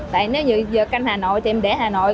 tại nếu như giờ canh hà nội thì em để hà nội